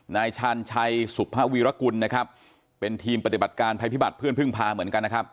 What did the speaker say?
นายชาญชัยสุภาวีรกุลนะครับเป็นทีมปฏิบัติการภัยพิบัตรเพื่อนพึ่งพาเหมือนกันนะครับ